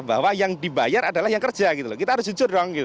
bahwa yang dibayar adalah yang kerja gitu loh kita harus jujur dong